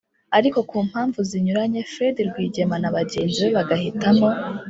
ariko ku mpamvu zinyuranye fred rwigema na bagenzi be bagahitamo